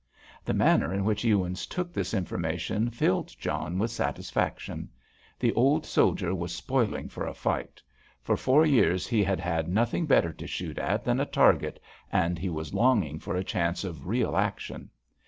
The manner in which Ewins took this information filled John with satisfaction. The old soldier was spoiling for a fight. For four years he had had nothing better to shoot at than a target, and he was longing for a chance of real action.